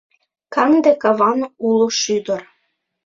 Канде каван уло шӱдыр.